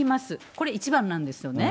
これ、１番なんですよね。